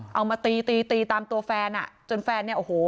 เอามาตีตีตีตามตัวแฟนอ่ะจนแฟนเนี่ยโอ้โห